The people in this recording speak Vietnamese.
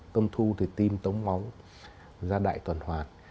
tâm thu thì tim tống máu ra đại tuần hoàn